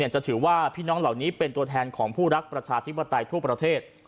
จะถือว่าพี่น้องเหล่านี้เป็นตัวแทนของผู้รักประชาธิปไตยทั่วประเทศ